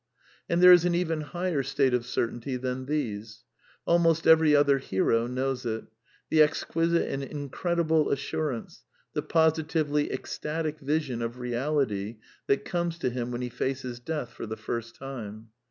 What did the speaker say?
And there is an even higher state of certainty than these. Almost every other hero knows it; the exquisite and incredible assurance, the positively ecstatic vision of ^ ^eality that comes to him when he faces death for the first 'time.